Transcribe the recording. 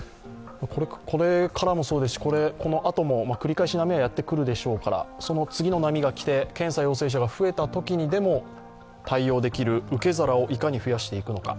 これからもそうですし、このあとも繰り返し波はやってくるでしょうからその次の波が来て検査陽性者が増えたときにでも対応できる受け皿をいかに増やしていくのか。